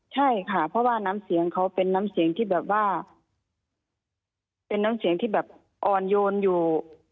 ใช่ค่ะเพราะว่าน้ำเสียงเขาเป็นน้ำเสียงที่แบบว่าเป็นน้ำเสียงที่แบบอ่อนโยนอยู่